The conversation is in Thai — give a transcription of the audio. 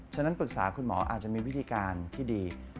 ฉะนั้นปรึกษาคุณหมออาจจะมีวิธีการที่ดี